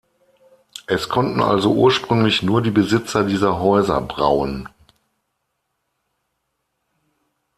Es konnten also ursprünglich nur die Besitzer dieser Häuser brauen.